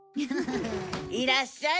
いらっしゃい。